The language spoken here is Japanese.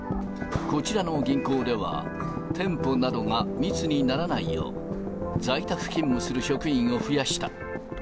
こちらの銀行では、店舗などが密にならないよう、在宅勤務する職員を増やした。